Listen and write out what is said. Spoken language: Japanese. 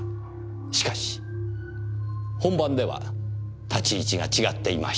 しかし本番では立ち位置が違っていました。